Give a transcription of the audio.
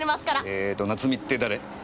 えーと夏美って誰？